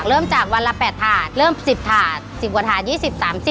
เริ่มจากวันละ๘ฐาสเริ่มจากวันละ๑๐ฐาส